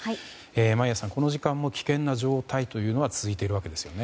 眞家さん、この時間も危険な状態というのは続いているわけですよね。